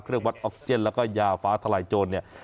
เครื่องวัดออกซิเกนแล้วก็ยาฟ้าไทยโจรเนี่ย